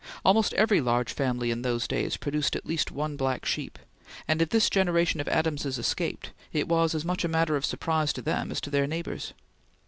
Almost every large family in those days produced at least one black sheep, and if this generation of Adamses escaped, it was as much a matter of surprise to them as to their neighbors.